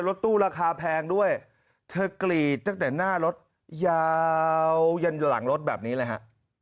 รถตู้ราคาแพงด้วยเธอกรีดตั้งแต่หน้ารถยาวยันหลังรถแบบนี้เลยฮะ